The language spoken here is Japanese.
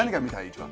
一番。